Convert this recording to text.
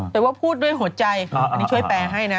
แต่ว่าพูดด้วยหัวใจอันนี้ช่วยแปลให้นะ